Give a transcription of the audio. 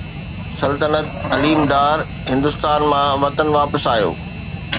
سلطنت عليم ڊار هندستان مان وطن واپس آيو